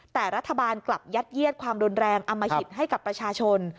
แต่รัฐบาลกลับยัดเยียดความรุนแรงอมหิตให้กับประชาชน